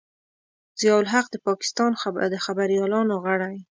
ضیا الحق د پاکستان د خبریالانو غړی.